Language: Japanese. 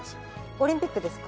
オリンピックですか？